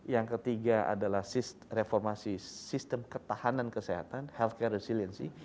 yang ketiga adalah reformasi sistem ketahanan kesehatan healthcare resiliency